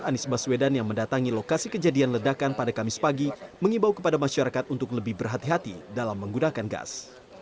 anies baswedan yang mendatangi lokasi kejadian ledakan pada kamis pagi mengimbau kepada masyarakat untuk lebih berhati hati dalam menggunakan gas